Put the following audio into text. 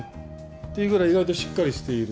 っていうぐらい、意外としっかりしている。